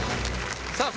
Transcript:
さあ